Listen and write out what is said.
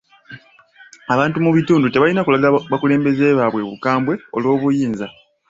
Abantu mu bitundu tebalina kulaga bakulembeze baabwe bukambwe olw'obuyinza.